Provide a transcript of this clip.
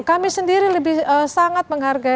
kami sendiri lebih sangat menghargai